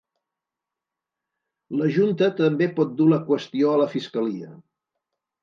La junta també pot dur la qüestió a la fiscalia.